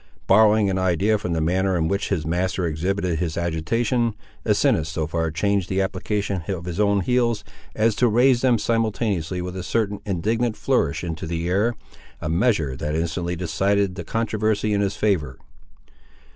Borrowing an idea from the manner in which his master exhibited his agitation, Asinus so far changed the application of his own heels, as to raise them simultaneously with a certain indignant flourish into the air, a measure that instantly decided the controversy in his favour.